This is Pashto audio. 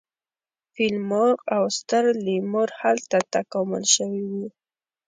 فیل مرغ او ستر لیمور هلته تکامل شوي وو.